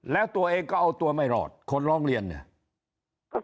แล้วตัวเองก็เอาตัวไม่รอดคนร้องเรียนเนี่ย